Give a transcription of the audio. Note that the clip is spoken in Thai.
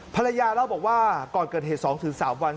ภรรยาเล่าบอกว่าก่อนเกิดเหตุ๒๓วัน